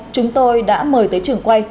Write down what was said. chúng tôi đã mời tới trưởng quay